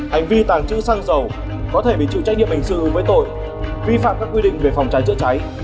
hành vi tàng trữ xăng dầu có thể bị chịu trách nhiệm hình sự với tội vi phạm các quy định về phòng cháy chữa cháy